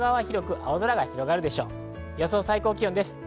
予想最高気温です。